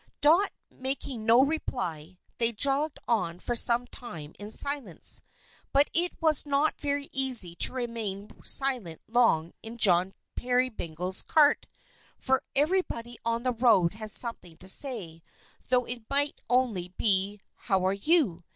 Dot making no reply, they jogged on for some time in silence. But it was not very easy to remain silent long in John Peerybingle's cart, for everybody on the road had something to say, though it might only be, "How are you?"